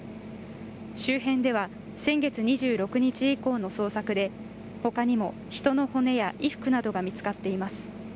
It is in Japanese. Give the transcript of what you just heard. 周辺では先月２６日以降の捜索でほかにも人の骨や衣服などが見つかっています。